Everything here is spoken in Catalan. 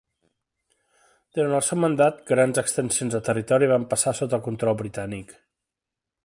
Durant el seu mandat, grans extensions de territori van passar sota control britànic.